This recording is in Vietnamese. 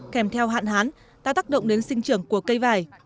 kèm theo hạn hán đã tác động đến sinh trưởng của cây vải